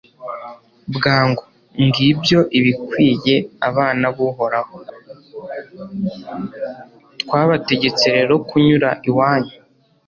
twabategetse rero kunyura iwanyu